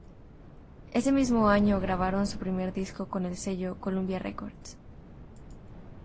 Ese mismo año grabaron su primer disco con el sello Columbia Records.